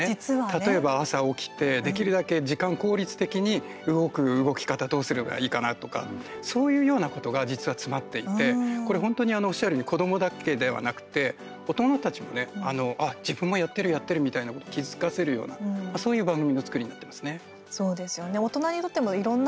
例えば、朝起きて、できるだけ時間、効率的に動く動き方どうすればいいかなとかそういうようなことが実は詰まっていてこれ本当におっしゃるように子どもだけではなくて大人たちもね自分もやってるやってるみたいなことを気付かせるようなそういう番組の作りになってますね。